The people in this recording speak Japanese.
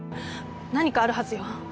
何かあるはずよ。